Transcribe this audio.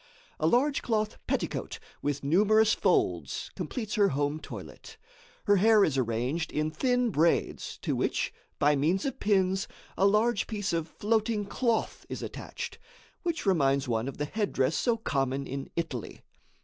A large cloth petticoat with numerous folds completes her home toilet. Her hair is arranged in thin braids, to which, by means of pins, a large piece of floating cloth is attached, which reminds one of the headdress so common in Italy.